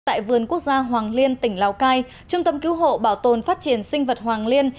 tại vườn quốc gia hoàng liên tỉnh lào cai trung tâm cứu hộ bảo tồn phát triển sinh vật hoàng liên